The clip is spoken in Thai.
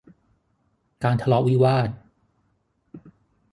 การทะเลาะวิวาท